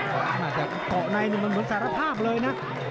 เกาะในเหมือนสารภาพเลยนะ